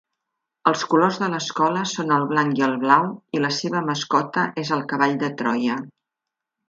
Els colors de l'escola són el blanc i el blau, i la seva mascota és el cavall de Troia.